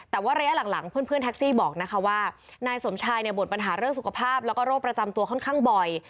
แต่ว่าระยะหลังเพื่อนแท็กซี่บอกนะคะว่านายสมชายเนี่ยบทปัญหาเรื่องสุขภาพแล้วก็โรคประจำตัวค่อนข้างบ่อย